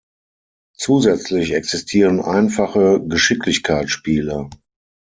Zusätzlich existieren einfache Geschicklichkeitsspiele.